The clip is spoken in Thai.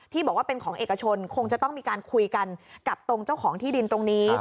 บอกว่าเป็นของเอกชนคงจะต้องมีการคุยกันกับตรงเจ้าของที่ดินตรงนี้